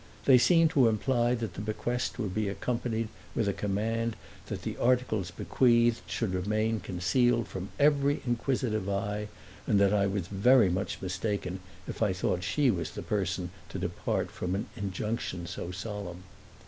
They seemed to imply that the bequest would be accompanied with a command that the articles bequeathed should remain concealed from every inquisitive eye and that I was very much mistaken if I thought she was the person to depart from an injunction so solemn.